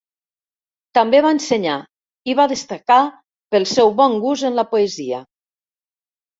També va ensenyar i va destacar pel seu bon gust en la poesia.